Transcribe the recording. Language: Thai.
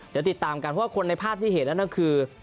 เดี๋ยวติดตามกันเพราะว่าคนในภาพที่เห็นนั่นก็คือ